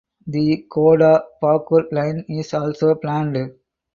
The Godda–Pakur line is also planned